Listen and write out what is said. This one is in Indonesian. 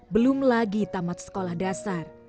belum lagi tamat sekolah dasar